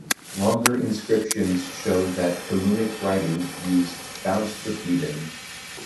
Longer inscriptions show that Camunic writing used boustrophedon.